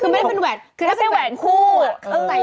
คือไม่ได้เป็นแหวนคู่เขาใส่ได้